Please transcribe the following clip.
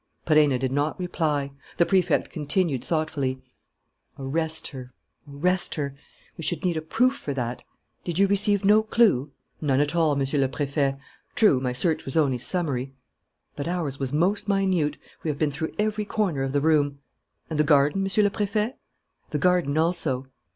Perenna did not reply. The Prefect continued, thoughtfully: "Arrest her ... arrest her.... We should need a proof for that.... Did you receive no clue?" "None at all, Monsieur le Préfet. True, my search was only summary." "But ours was most minute. We have been through every corner of the room." "And the garden, Monsieur le Préfet?" "The garden also."